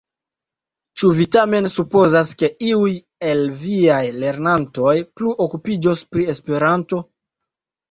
Ĉu vi tamen supozas, ke iuj el viaj lernantoj plu okupiĝos pri Esperanto?